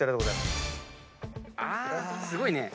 すごいね。